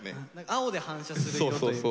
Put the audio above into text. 青で反射する色というか。